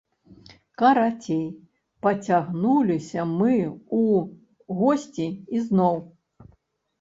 Карацей, пацягнуліся мы у госці ізноў.